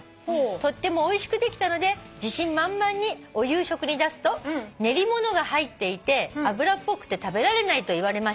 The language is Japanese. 「とってもおいしくできたので自信満々にお夕食に出すと『練り物が入っていて油っぽくて食べられない』と言われました」